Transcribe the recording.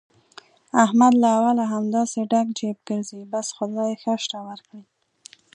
احمد له اوله همداسې ډک جېب ګرځي، بس خدای ښه شته ورکړي.